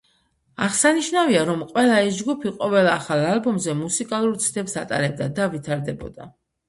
აღსანიშნავია, რომ ყველა ეს ჯგუფი ყოველ ახალ ალბომზე მუსიკალურ ცდებს ატარებდა და ვითარდებოდა.